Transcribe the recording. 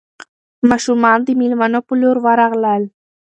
ماشومان د مېلمنو په لور ورغلل.